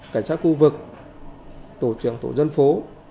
cảnh sát khu vực tổ trưởng tổ dân phố